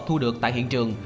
thu được tại hiện trường